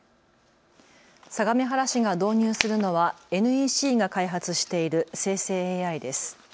相模原市が導入するのはＮＥＣが開発している生成ＡＩです。